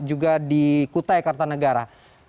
juga di kutai kartanegara